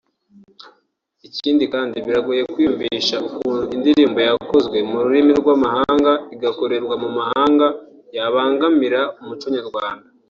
Ikindi kandi biragoye kwiyumvisha ukuntu indirimbo yakozwe mu rurimi rw'amahanga igakorerwa mu mahanga yabangamira umuco nyarwanda